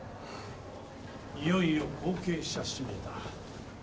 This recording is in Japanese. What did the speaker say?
いよいよ後継者指名だ。